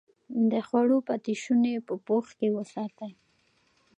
د خوړو پاتې شوني په پوښ کې وساتئ.